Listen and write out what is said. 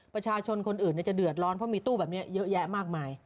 ประชาชนคนอื่นจะเดือดร้อนเพราะมีตู้แบบนี้เยอะแยะมากมาย